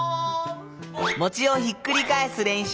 餅をひっくり返す練習。